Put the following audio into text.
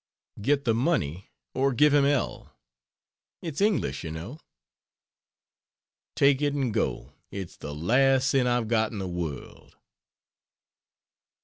"Get the money, or give him L. It's English, you know." "Take it and go. It's the last cent I've got in the world